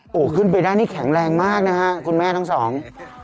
โอ้โหขึ้นไปได้นี่แข็งแรงมากนะฮะคุณแม่ทั้งสอง